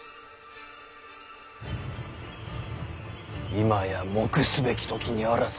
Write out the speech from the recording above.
今や黙すべき時にあらず。